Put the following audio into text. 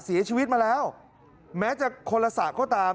เสียชีวิตมาแล้วแม้จะคนละสระก็ตาม